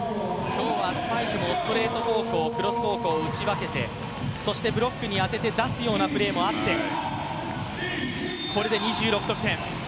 今日はスパイクもストレート方向、クロス方向打ち分けて、そしてブロックに当てて出すようなプレーもあってこれで２６得点。